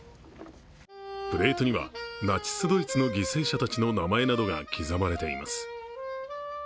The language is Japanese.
プレートにはナチス・ドイツの犠牲者たちの名前などが刻まれています。